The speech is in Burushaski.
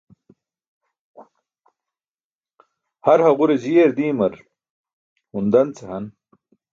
Har haġure jiiyar diimar hun dan ce han.